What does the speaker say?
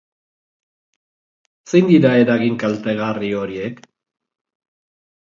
Zein dira eragin kaltegarri horiek?